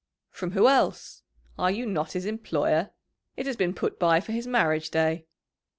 "From whom else? Are you not his employer? It has been put by for his marriage day."